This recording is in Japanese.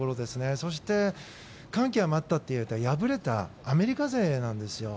そして感極まったというのは敗れたアメリカ勢なんです。